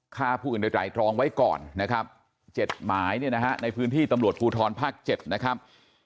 ฆ่าผู้อื่นโดยไตรตรองไว้ก่อนนะครับ๗หมายเนี่ยนะฮะในพื้นที่ตำรวจภูทรภาค๗นะครับ